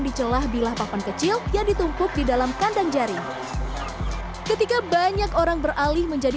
dicelah bilah papan kecil yang ditumpuk di dalam kandang jari ketika banyak orang beralih menjadi